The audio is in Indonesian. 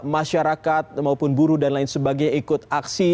masyarakat maupun buruh dan lain sebagainya ikut aksi